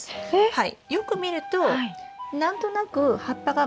はい。